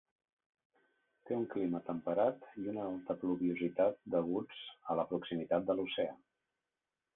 Té un clima temperat i una alta pluviositat deguts a la proximitat de l'oceà.